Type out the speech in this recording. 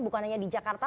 bukan hanya di jakarta